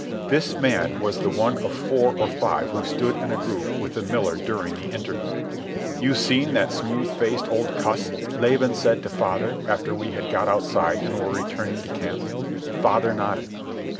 This man was one of four or five who stood in a group with the miller during the interview. "You seen that smooth faced old cuss?" Laban said to father, after we had got outside and were returning to camp. Father nodded.